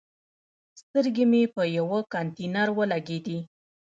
سترګې مې په یوه کانتینر ولګېدې.